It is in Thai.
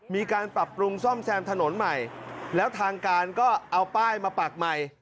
มีการปรับปรุงซ่อมแซมถนนใหม่แล้วทางการก็เอาป้ายมาปากใหม่